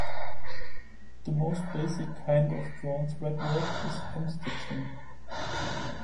The most basic kind of drawn thread work is hemstitching.